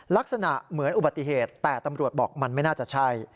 ลักษณะเหมือนอุบัติเหตุแต่ตำรวจบอกมันไม่น่าจะใช่